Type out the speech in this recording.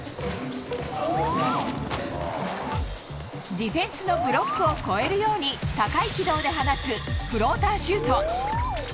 ディフェンスのブロックを越えるように高い軌道で放つフローターシュート。